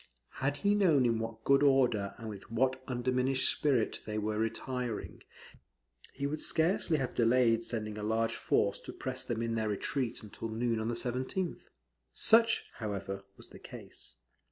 Had he known in what good order and with what undiminished spirit they were retiring, he would scarcely have delayed sending a large force to press them in their retreat until noon on the 17th. Such, however, was the case.